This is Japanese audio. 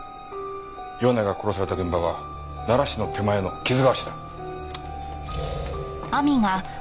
岩内が殺された現場は奈良市の手前の木津川市だ。